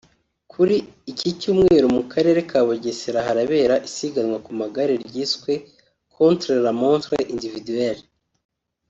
Kuri iki cyumweru mu karere ka Bugesera harabera isiganwa ku magare ryiswe « Contre la montre individuel »